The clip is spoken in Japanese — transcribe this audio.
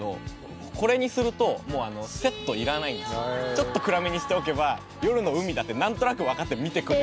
ちょっと暗めにしておけば夜の海だってなんとなくわかって見てくれるんで。